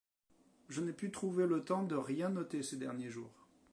Je n’ai pu trouver le temps de rien noter ces derniers jours.